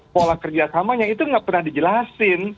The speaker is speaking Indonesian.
pola kerjasamanya itu nggak pernah dijelasin